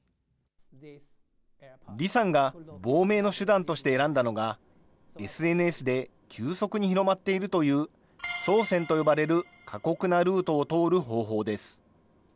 李さんが亡命の手段として選んだのが、ＳＮＳで急速に広まっているという、走線と呼ばれる過酷なルートを通る方法です。